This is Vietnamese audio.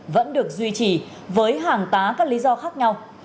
vẫn được duy trì với hàng tá các lý do khác nhau